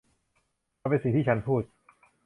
มันเป็นสิ่งที่ฉันพูด ?